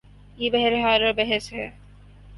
یہ بہرحال اور بحث ہے۔